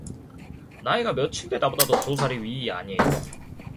나이가 몇인데 나보다도 두 살이 위이 아녜요.